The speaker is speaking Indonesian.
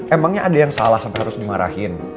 emangnya ada yang salah sampai harus dimarahin